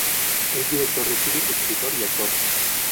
Es director de cine, escritor y actor.